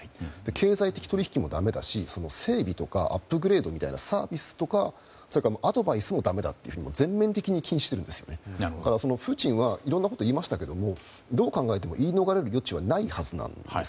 経済的取引もだめだし正義とかアップグレードみたいなサービスとか、アドバイスもだめだっていうふうに全面的に禁止していますからプーチンはいろんなことを言いましたけどどう考えても言い逃れる余地はないはずなんです。